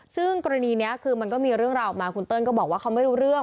ซึ่งกรณีนี้คือมันก็มีเรื่องราวออกมาคุณเติ้ลก็บอกว่าเขาไม่รู้เรื่อง